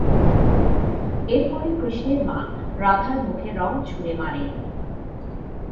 এর ফলে কৃষ্ণের মা রাধার মুখে রঙ ছুড়ে মারে।